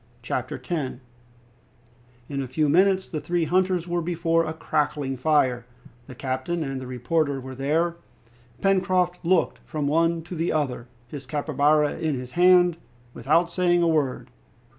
Chapter 10 In a few minutes the three hunters were before a crackling fire. The captain and the reporter were there. Pencroft looked from one to the other, his capybara in his hand, without saying a word.